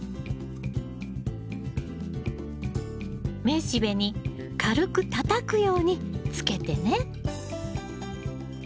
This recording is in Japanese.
雌しべに軽くたたくようにつけてね。